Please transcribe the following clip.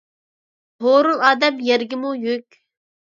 ھورۇن ئادەم يەرگىمۇ يۈك.